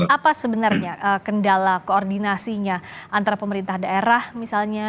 apa sebenarnya kendala koordinasinya antara pemerintah daerah misalnya